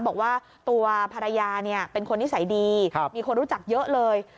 บอกว่าตัวภรรยาเป็นคนนิสัยดีมีคนรู้จักเยอะเลย